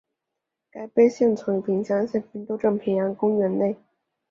该碑现存平乡县丰州镇平安公园内。